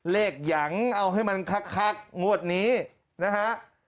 เหล้วเยี่ยมเอาให้มันคักงวดนี้นะฮะ